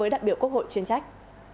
đại biểu quốc hội chuyên trách